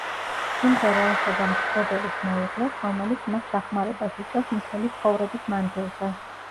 სიმღერა ეხება მთხრობელის მეუღლეს, რომელიც მას დახმარებას უწევს მთელი ცხოვრების მანძილზე.